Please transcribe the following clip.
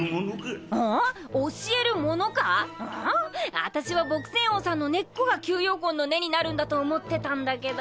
アタシは朴仙翁さんの根っこが吸妖魂の根になるんだと思ってたんだけど。